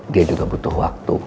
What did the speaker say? dia juga butuh waktu